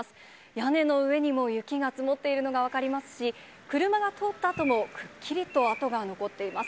屋根の上にも雪が積もっているのが分かりますし、車が通ったあともくっきりと跡が残っています。